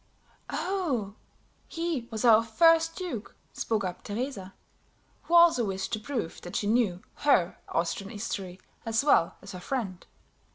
] "Oh, he was our first duke," spoke up Teresa, who also wished to prove that she knew her Austrian history as well as her friend.